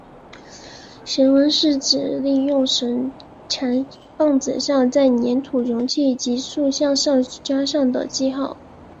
绳文是指利用绳缠绕棒子在黏土容器及塑像上所加上的记号。